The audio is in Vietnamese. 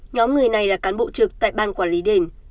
nhóm người này là cán bộ trực tại ban quản lý đền